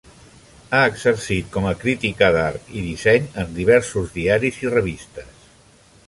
Ha exercit com a crítica d'art i disseny en diversos diaris i revistes.